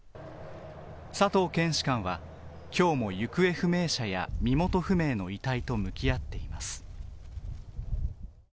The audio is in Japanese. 佐藤検視官は今日も行方不明者や身元不明の遺体と向き合っています。